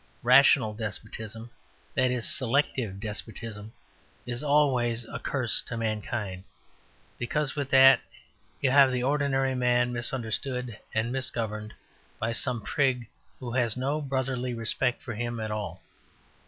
Rational despotism that is, selective despotism is always a curse to mankind, because with that you have the ordinary man misunderstood and misgoverned by some prig who has no brotherly respect for him at all.